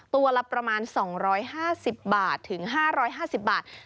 ตัวละประมาณ๒๕๐บาทถึง๕๕๐บาท